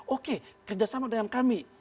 oke kerjasama dengan kami